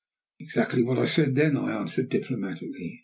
"Exactly what I said then," I answered diplomatically.